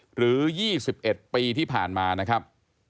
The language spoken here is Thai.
หรือ๒๑ปีที่ผ่านมานะครับ